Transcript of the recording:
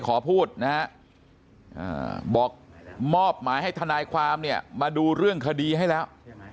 ขอพูดนะฮะบอกมอบหมายให้ทนายความเนี่ยมาดูเรื่องคดีให้แล้ว